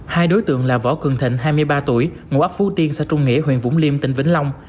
hai đối tượng là võ cường thịnh hai mươi ba tuổi ngụ ấp phú tiên xã trung nghĩa huyện vũng liêm tỉnh vĩnh long